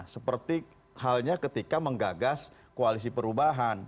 seperti halnya ketika menggagas koalisi perubahan